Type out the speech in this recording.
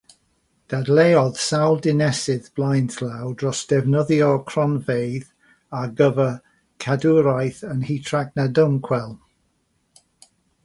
Dadleuodd sawl dinesydd blaenllaw dros ddefnyddio'r cronfeydd ar gyfer cadwraeth yn hytrach na dymchwel.